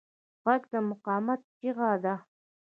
غږ د مقاومت چیغه ده